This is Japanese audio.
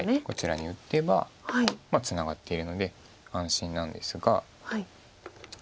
こちらに打てばツナがっているので安心なんですが。